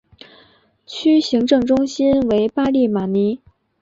区行政中心为巴利马尼。